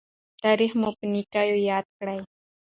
تاریخ مو په نیکۍ یاد کړي.